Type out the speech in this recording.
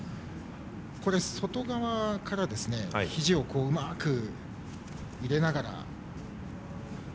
外側からひじをうまく入れながら。